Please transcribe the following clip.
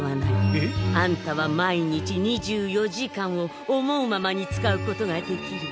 えっ？あんたは毎日２４時間を思うままに使うことができる。